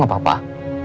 kamu gak apa apa